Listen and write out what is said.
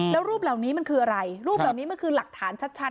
แล้วรูปเหล่านี้มันคืออะไรรูปเหล่านี้มันคือหลักฐานชัด